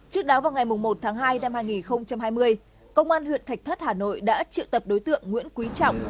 trước đó vào ngày một tháng hai năm hai nghìn hai mươi công an huyện thạch thất hà nội đã triệu tập đối tượng nguyễn quý trọng